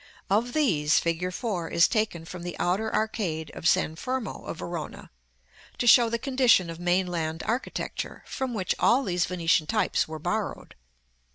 Of these, fig. 4 is taken from the outer arcade of San Fermo of Verona, to show the condition of mainland architecture, from which all these Venetian types were borrowed.